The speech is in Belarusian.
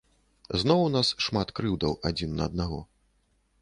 Зноў у нас шмат крыўдаў адзін на аднаго.